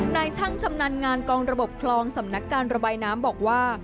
นายช่างชำนาญงานกองระบบคลองสำนักการระบายน้ำบอกว่า